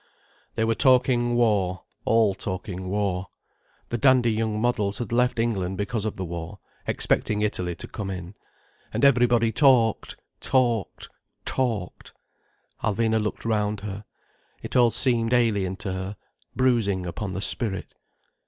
They were talking war—all talking war. The dandy young models had left England because of the war, expecting Italy to come in. And everybody talked, talked, talked. Alvina looked round her. It all seemed alien to her, bruising upon the spirit.